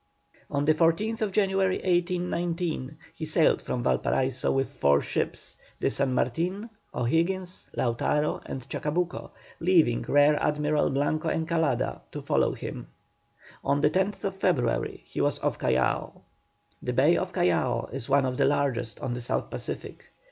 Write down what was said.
On the 14th January, 1819, he sailed from Valparaiso with four ships, the San Martin, O'Higgins, Lautaro, and Chacabuco, leaving Rear Admiral Blanco Encalada to follow him. On the 10th February he was off Callao. The bay of Callao is one of the largest on the South Pacific.